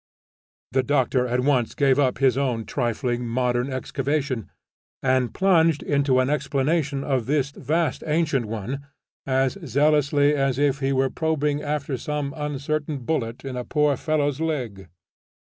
The Doctor at once gave up his own trifling modern excavation, and plunged into an explanation of this vast ancient one, as zealously as if he were probing after some uncertain bullet in a poor fellow's leg.